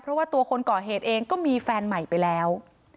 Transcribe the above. เพราะว่าตัวคนก่อเหตุเองก็มีแฟนใหม่ไปแล้ว